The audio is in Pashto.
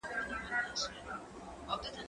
زه اوس انځور ګورم!.